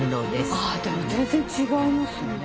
あでも全然違いますよね。